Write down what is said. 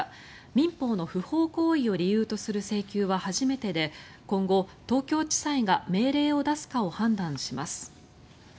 民法の不法行為を理由とする請求は初めてで今後、東京地裁が命令を出すかを判断します。